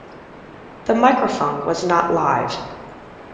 The microphone was not live.